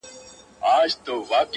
• په لسګونو موږکان دلته اوسېږي..